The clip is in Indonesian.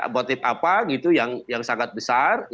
motif apa gitu yang sangat besar